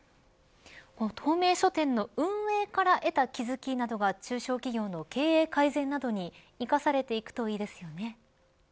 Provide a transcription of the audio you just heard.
透明商店の運営から得た気付きなどが中小企業の経営改善などに生かされていくといいですよね。